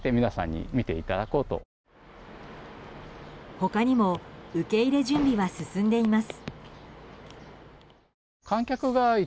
他にも、受け入れ準備は進んでいます。